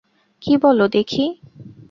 কী বলো দেখি।